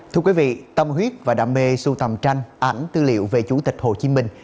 thưa quý vị tâm huyết và đam mê sưu tầm tranh ảnh tư liệu về chủ tịch hồ chí minh